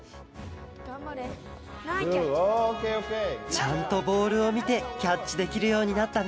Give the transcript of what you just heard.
ちゃんとボールをみてキャッチできるようになったね